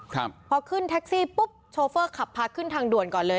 ครับพอขึ้นแท็กซี่ปุ๊บโชเฟอร์ขับพาขึ้นทางด่วนก่อนเลย